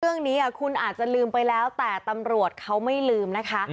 เรื่องนี้คุณอาจจะลืมไปแล้วแต่ตำรวจเขาไม่ลืมนะคะ